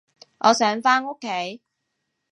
我想返屋企